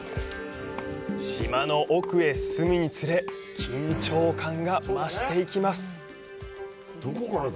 島の奥へ進むにつれ、緊張感が増していきます。